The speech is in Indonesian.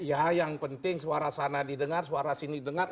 ya yang penting suara sana didengar suara sini didengar